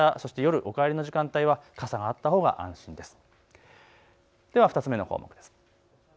あす夕方、そして夜、お帰りの時間帯は傘があったほうが安心です。